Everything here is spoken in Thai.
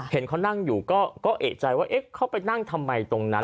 เห็นเขานั่งอยู่ก็เอกใจว่าเอ๊ะเขาไปนั่งทำไมตรงนั้น